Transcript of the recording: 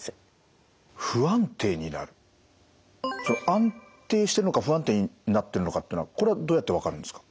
安定してるのか不安定になってるのかってのはこれはどうやって分かるんですか？